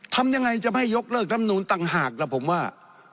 ทำยังไงจะไม่ยกเลิกทำนูนต่างหากแล้วผมว่า